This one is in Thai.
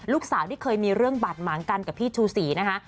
ลูกสาวที่เคยมีเรื่องบาดหมางกันกับพี่ชูศรีนะคะ